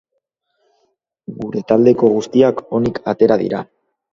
Gure taldeko guztiak onik atera dira.